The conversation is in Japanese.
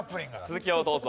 続きをどうぞ。